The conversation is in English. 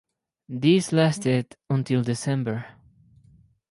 These lasted until December.